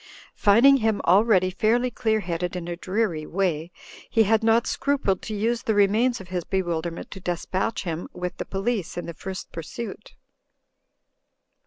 Finding him already fairly clear headed in a dreary way, he had not scrupled to use the remains of his bewilderment to despatch him with the police in the first pursuit.